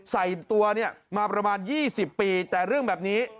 ใส่ตัวเนี่ยมาประมาณ๒๐ปีแต่เรื่องแบบนี้